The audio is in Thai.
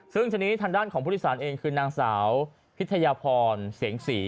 ซึ่งทางด้านของพุทธศาลเองคือนางสาวพิทยาพรเสียงศรี